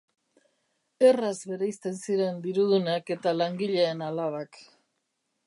Erraz bereizten ziren dirudunak eta langileen alabak.